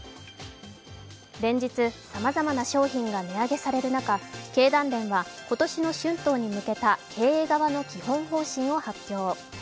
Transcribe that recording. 連日、さまざまな商品が値上げされる中、今年の春闘に向けた経営側の基本方針を発表。